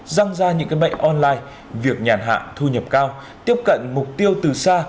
răng ra những cái mệnh online việc nhàn hạng thu nhập cao tiếp cận mục tiêu từ xa